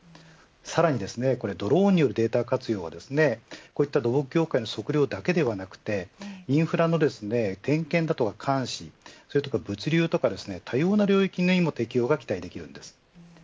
さらにドローンによるデータ活用は土木業界の測量だけではなくてインフラの点検だとか監視物流とか、多様な領域の適用が期待できます。